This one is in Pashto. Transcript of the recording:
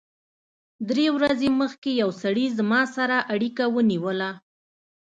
درې ورځې مخکې یو سړي زما سره اړیکه ونیوله